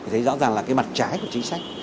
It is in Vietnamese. thấy rõ ràng là cái mặt trái của chính sách